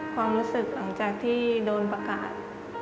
ความรู้สึกหลังจากที่โดนประกาศ